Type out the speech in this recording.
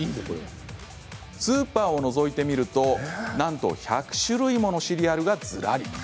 スーパーをのぞいてみるとなんと１００種類ものシリアルがずらり。